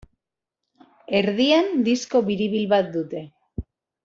Erdian disko biribil bat dute.